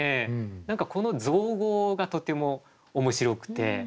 何かこの造語がとても面白くて。